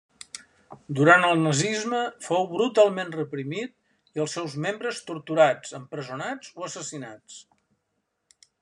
Durant el nazisme, fou brutalment reprimit i els seus membres torturats, empresonats o assassinats.